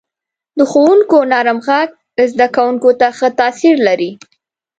• د ښوونکو نرم ږغ زده کوونکو ته ښه تاثیر لري.